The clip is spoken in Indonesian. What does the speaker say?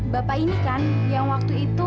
bapak ini kan yang waktu itu